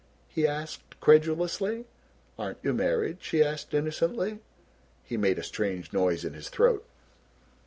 he asked credulously. "Aren't you married?" she asked innocently. He made a strange noise in his throat.